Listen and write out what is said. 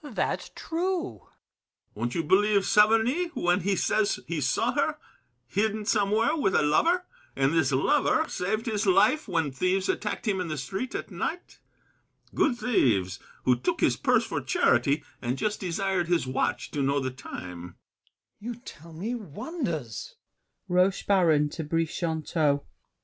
ROCHEBARON. That's true. BRICHANTEAU. Won't you believe Saverny when He says he saw her, hidden somewhere with A lover, and this lover saved his life When thieves attacked him in the street at night?— Good thieves, who took his purse for charity, And just desired his watch to know the time. GASSÉ. You tell me wonders!